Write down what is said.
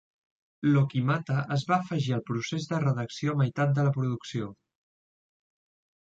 L'Okimata es va afegir al procés de redacció a meitat de la producció.